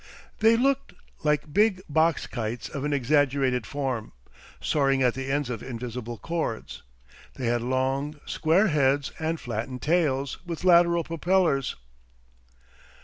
They looked, like big box kites of an exaggerated form, soaring at the ends of invisible cords. They had long, square heads and flattened tails, with lateral propellers.